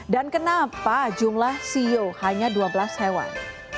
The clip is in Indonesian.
dan kenapa jumlah xiu hanya dua belas hewan